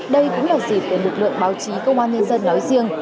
đây cũng là dịp để lực lượng báo chí công an nhân dân nói riêng